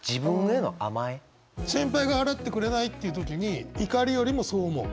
先輩が払ってくれないっていう時に怒りよりもそう思う？